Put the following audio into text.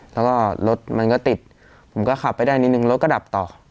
แล้วก็รถมันก็ติดผมก็ขับไปได้นิดนึงรถก็ดับต่อ